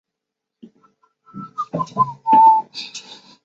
萨卡文。